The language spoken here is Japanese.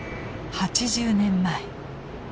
８０年前。